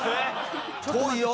遠いよ。